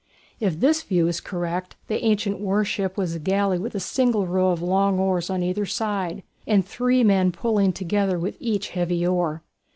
If this view is correct, the ancient warship was a galley with a single row of long oars on either side, and three men pulling together each heavy oar.